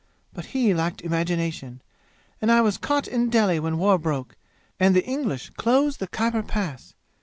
But he lacked imagination, and I was caught in Delhi when war broke and the English closed the Khyber Pass.